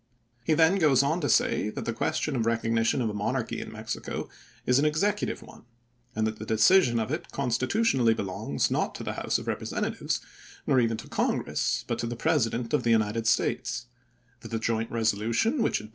He then goes on to say that the question of recognition of a monarchy in Mexico is an Ex ecutive one ; and the decision of it constitutionally belongs, not to the House of Representatives, nor even to Congress, but to the President of the MAXIMILIAN 409 United States ; that the joint resolution which had chap.